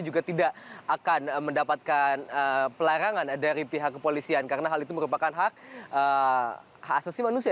juga tidak akan mendapatkan pelarangan dari pihak kepolisian karena hal itu merupakan hak asasi manusia